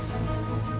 lo mau kemana